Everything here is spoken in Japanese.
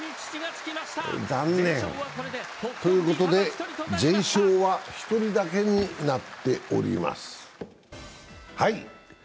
残念ということで全勝は１人だけになっております。